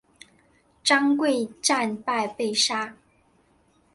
张贵战败被杀。